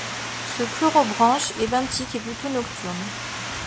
Ce Pleurobranche est benthique et plutôt nocturne.